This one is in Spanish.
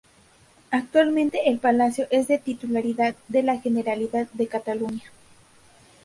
Actualmente el palacio es de titularidad de la Generalidad de Cataluña.